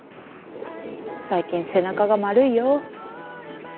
最近背中が丸いよ。